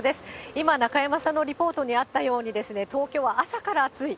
今、中山さんのリポートにあったように、東京は朝から暑い。